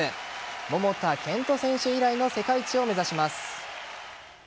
桃田賢斗選手以来の世界一を目指します。